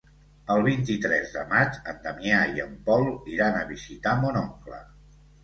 El vint-i-tres de maig en Damià i en Pol iran a visitar mon oncle.